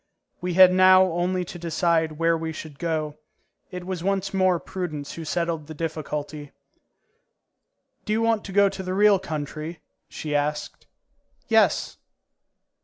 We had now only to decide where we should go. It was once more Prudence who settled the difficulty. "Do you want to go to the real country?" she asked. "Yes."